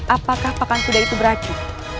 apakah pakan kuda itu berarti